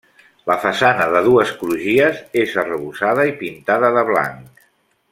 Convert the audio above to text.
La façana, de dues crugies, és arrebossada i pintada de blanc.